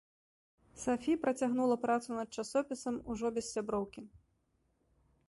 Сафі працягнула працу над часопісам ўжо без сяброўкі.